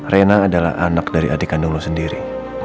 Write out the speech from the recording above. rena adalah anak dari adik kandung lo sendiri